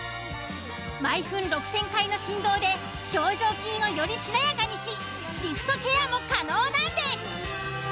毎分６，０００回の振動で表情筋をよりしなやかにしリフトケアも可能なんです。